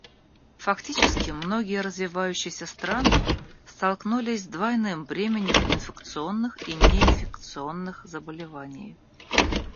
Фактически, многие развивающиеся страны столкнулись с двойным бременем инфекционных и неинфекционных заболеваний.